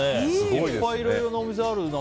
いっぱいいろいろなお店がある中